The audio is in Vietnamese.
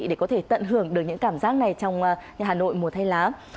để có thể tận hưởng được những cảm giác này trong hà nội mùa hay lá